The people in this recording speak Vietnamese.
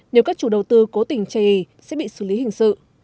nếu các chủ đầu tư cố tình chây ý sẽ bị xử lý hình sự